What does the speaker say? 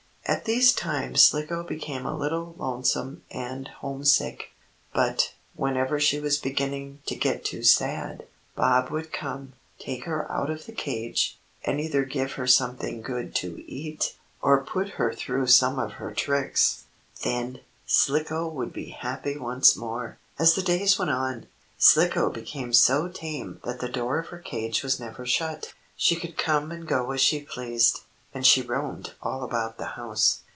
At these times Slicko became a little lonesome and homesick. But, whenever she was beginning to get too sad, Bob would come, take her out of the cage, and either give her something good to eat, or put her through some of her tricks. Then Slicko would be happy once more. As the days went on, Slicko became so tame that the door of her cage was never shut. She could come and go as she pleased, and she roamed all about the house.